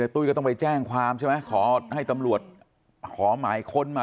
ตุ้ยก็ต้องไปแจ้งความใช่ไหมขอให้ตำรวจขอหมายค้นมา